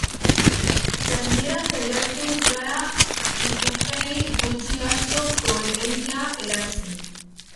Gainera, saiatzen gara ikuspegi gutxi-asko koherentea eratzen.